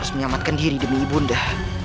dan menyelamatkan diri demi ibunda